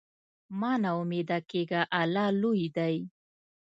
مه نا امیده کېږه، الله لوی دی.